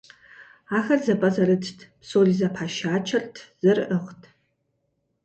Ахэр зэпӏэзэрытт, псори зэпашачэрт, зэрыӏыгът.